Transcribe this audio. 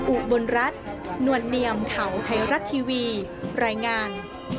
อุบลรัฐนวลเนียมข่าวไทยรัฐทีวีรายงาน